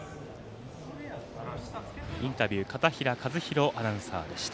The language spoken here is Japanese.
インタビューは片平和宏アナウンサーでした。